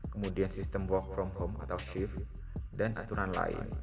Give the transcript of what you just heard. kemudian sistem work from home atau shift dan aturan lain